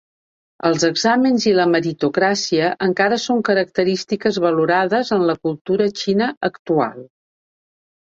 Els exàmens i la meritocràcia encara són característiques valorades en la cultura xina actual.